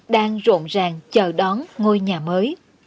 đang rộn ràng chờ đón ngôi nhà mới